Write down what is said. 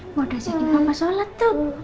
eh mau diajakin papa sholat tuh